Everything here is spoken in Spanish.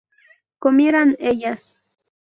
¿comieran ellas?